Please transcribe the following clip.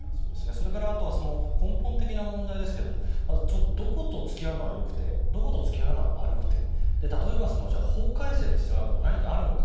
それからあとは根本的な問題ですがどこと付き合うのはよくてどこと付き合うのは悪くて例えば、法改正の必要などはあるのか。